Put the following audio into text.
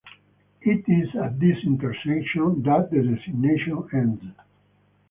It is at this intersection that the designation ends.